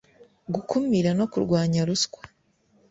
gukumira no kurwanya ruswa